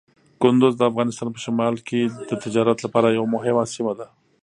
کندز د افغانستان په شمال کې د تجارت لپاره یوه مهمه سیمه ده.